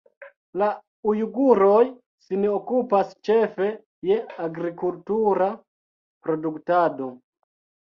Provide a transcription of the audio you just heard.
La ujguroj sin okupas ĉefe je agrikultura produktado.